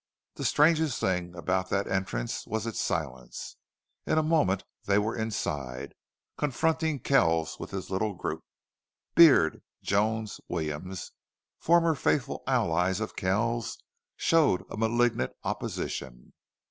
The strangest thing about that entrance was its silence. In a moment they were inside, confronting Kells with his little group. Beard, Jones, Williams, former faithful allies of Kells, showed a malignant opposition.